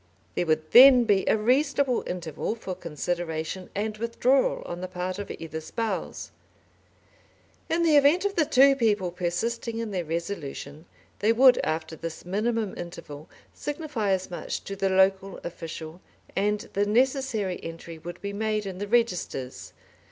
There would then be a reasonable interval for consideration and withdrawal on the part of either spouse. In the event of the two people persisting in their resolution, they would after this minimum interval signify as much to the local official and the necessary entry would be made in the registers.